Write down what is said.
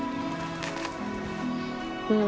うん。